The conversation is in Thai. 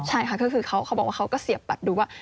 ใช่ค่ะก็คือเขาบอกว่าเขาก็เสียบบัตรดูว่า